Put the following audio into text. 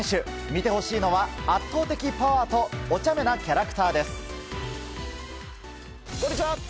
見てほしいのは圧倒的パワーとお茶目なキャラクターです。